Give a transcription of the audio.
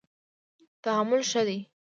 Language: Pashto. تحمل ښه دی.